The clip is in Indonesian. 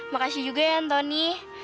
makasih juga ya antoni